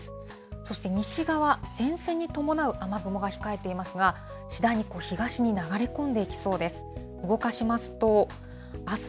そして西側、前線に伴う雨雲が控えていますが、次第に東に流れ込んでいきそうです。